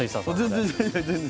全然全然。